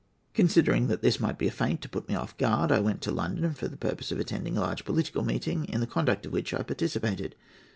Considering that this might be a feint to put me off my guard, I went to London for the purpose of attending a large political meeting, in the conduct of which I participated.